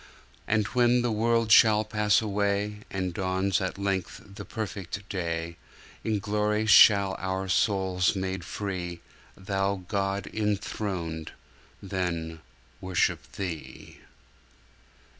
And when the world shall pass away, And dawns at length the perfect day, In glory shall our souls made free, Thou God enthroned, Then worship Thee.